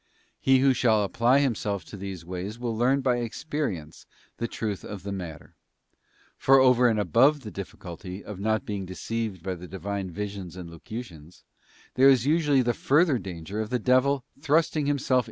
He who shall apply himself to these' ways will learn by experience the truth of the matter. For over and above the difficulty of not being deceived by the Divine visions and locutions, there is usually the further danger of the devil thrusting himself * 1 Kings xxviii.